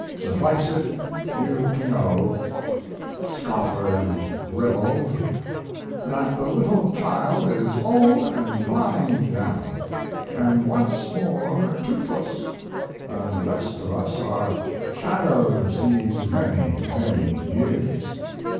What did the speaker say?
Suffice it you to know, scoffer and ribald, that the little child is old and blind now, and once more tooth less; and the rest of us are shadows these many, many years.